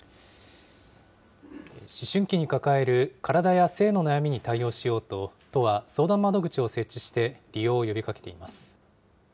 思春期に抱える体や性の悩みに対応しようと、都は、相談窓口を設置して利用を呼びかけています。